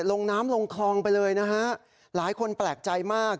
ลงน้ำลงคลองไปเลยนะฮะหลายคนแปลกใจมาก